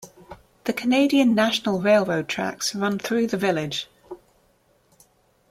The Canadian National railroad tracks run through the village.